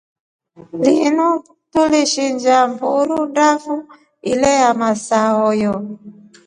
Linu tulishirisha mburu ndafu iya ya masahuyo.